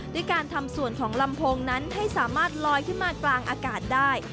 ด้วยการทำส่วนของลำโพงนั้นให้สามารถลอยขึ้นมากลางอากาศได้